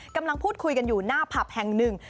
กำลังพูดคุยกันอยู่หน้าผับแห่งหนึ่ง